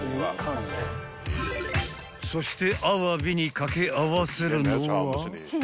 ［そして］